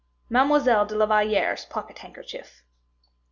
Mademoiselle de la Valliere's Pocket Handkerchief.